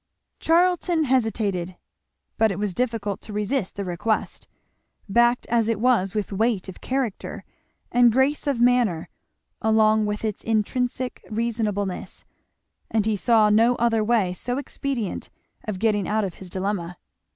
Charlton hesitated, but it was difficult to resist the request, backed as it was with weight of character and grace of manner, along with its intrinsic reasonableness; and he saw no other way so expedient of getting out of his dilemma.